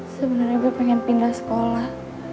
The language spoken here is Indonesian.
sebenarnya gue pengen pindah sekolah